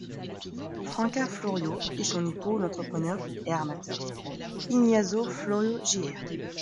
Franca Florio et son époux l'entrepreneur et armateur Ignazio Florio Jr.